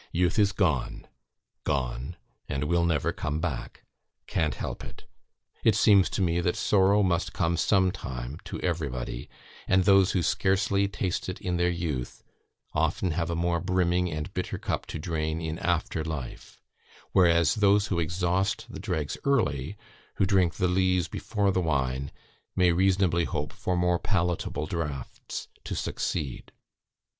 Youth is gone gone, and will never come back: can't help it. ... It seems to me, that sorrow must come some time to everybody, and those who scarcely taste it in their youth, often have a more brimming and bitter cup to drain in after life; whereas, those who exhaust the dregs early, who drink the lees before the wine, may reasonably hope for more palatable draughts to succeed."